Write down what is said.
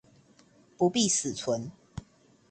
不必死存